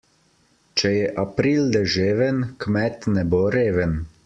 Če je april deževen, kmet ne bo reven.